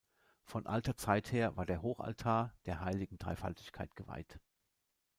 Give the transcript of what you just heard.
Von alter Zeit her war der Hochaltar der heiligen Dreifaltigkeit geweiht.